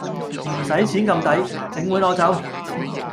唔使錢咁抵，整碗攞走